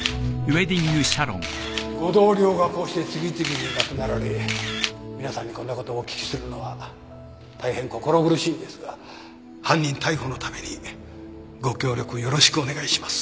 ご同僚がこうして次々に亡くなられ皆さんにこんなことお聞きするのは大変心苦しいんですが犯人逮捕のためにご協力よろしくお願いします。